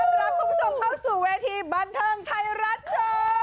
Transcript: ต้อนรับคุณผู้ชมเข้าสู่เวทีบันเทิงไทยรัชโชว์